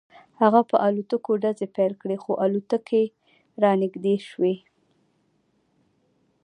هغه په الوتکو ډزې پیل کړې خو الوتکې رانږدې شوې